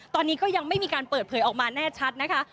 ตอนนี้ก็ยังไม่มีการเปิดเผยออกมาแน่ชัดนะคะ